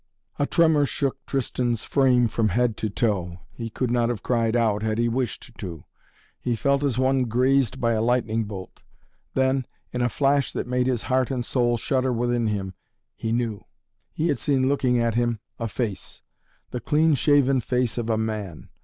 A tremor shook Tristan's frame from head to toe. He could not have cried out, had he wished to. He felt as one grazed by a lightning bolt. Then, in a flash that made his heart and soul shudder within him, he knew. He had seen looking at him a face the clean shaven face of a man.